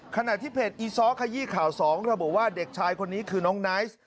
ขณะที่เพจอีซ้อขยี้ข่าว๒ระบุว่าเด็กชายคนนี้คือน้องไนท์